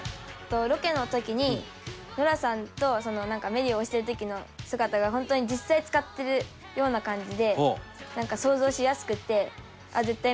ロケの時にノラさんとメリオを押してる時の姿が本当に実際使ってるような感じで想像しやすくって。